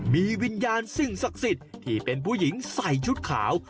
มีวิญญาณสิ่งศักดิ์สิทธิ์ที่เป็นผู้หญิงใส่ชุดขาว